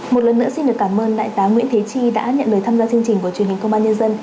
một lần nữa xin được cảm ơn đại tá nguyễn thế chi đã nhận lời tham gia chương trình của truyền hình công an nhân dân